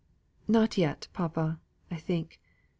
"Not yet, papa, I think.